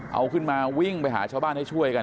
เอาขึ้นมาวิ่งไปหาชาวบ้านให้ช่วยกัน